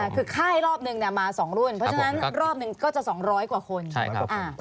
อ่าคือค่ายรอบหนึ่งเนี่ยมาสองรุ่นเพราะฉะนั้นรอบหนึ่งก็จะสองร้อยกว่าคนใช่ครับอ่า